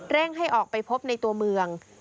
ให้ออกไปพบในตัวเมือง